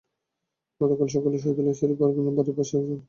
গতকাল সকালে সহিদুলের স্ত্রী পারভিন বাড়ির পাশে চুলার ছাই ফেলতে যান।